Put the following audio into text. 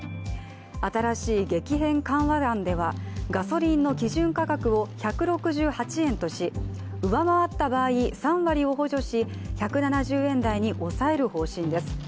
新しい激変緩和案ではガソリンの基準価格を１６８円とし上回った場合３割を補助し１７０円台に抑える方針です。